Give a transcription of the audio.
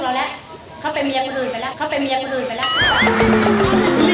เขาเป็นเมียคนอื่นไปแล้ว